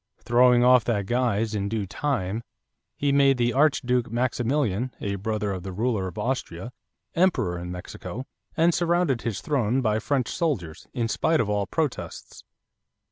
Throwing off that guise in due time, he made the Archduke Maximilian, a brother of the ruler of Austria, emperor in Mexico, and surrounded his throne by French soldiers, in spite of all protests.